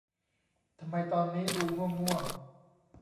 ทำไมตอนนี้ดูง่วงง่วง